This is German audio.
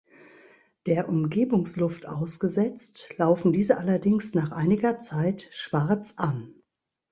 Der Umgebungsluft ausgesetzt, laufen diese allerdings nach einiger Zeit schwarz an.